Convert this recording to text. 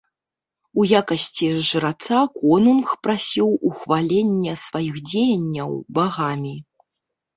У якасці жраца, конунг прасіў ухвалення сваіх дзеянняў багамі.